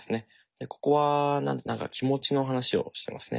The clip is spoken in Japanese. でここは何か気持ちの話をしてますね。